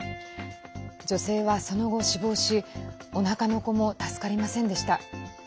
女性はその後、死亡しおなかの子も助かりませんでした。